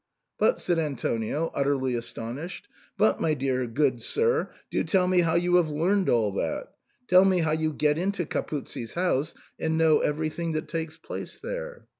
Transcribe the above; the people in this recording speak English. " But," said Antonio, uttterly astonished, but my dear, good sir, do tell me how you have learned all that ; tell me how you get into Capuzzi's house and know everything that takes place there."